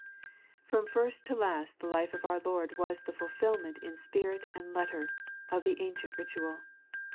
From first to last the life of our Lord was the fulfilment, in spirit and letter, of the ancient ritual.